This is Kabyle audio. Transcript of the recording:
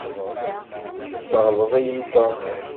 Yesseɣleḍ-iyi Tom.